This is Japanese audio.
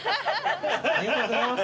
ありがとうございます！